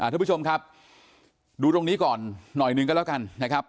ทุกผู้ชมครับดูตรงนี้ก่อนหน่อยหนึ่งก็แล้วกันนะครับ